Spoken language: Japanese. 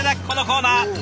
このコーナー。